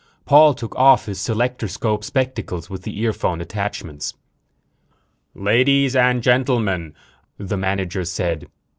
Paul took off his selectorscope spectacles with the earphone attachments. "Ladies and gentlemen," the manager said.